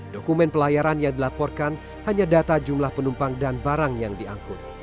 dokumen pelayaran yang dilaporkan hanya data jumlah penumpang dan barang yang diangkut